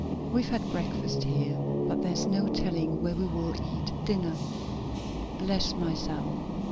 We've had breakfast here, but there's no telling where we will eat dinner." "Bless my soul!